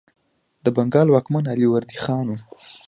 د بنګال واکمن علي وردي خان و.